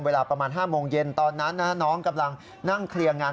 เวลาประมาณ๕โมงเย็นตอนนั้นน้องกำลังนั่งเคลียร์งาน